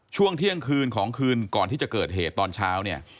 ช่วงเที่ยงคืนของคืนก่อนที่จะเกิดเหตุตอนเช้าเนี่ย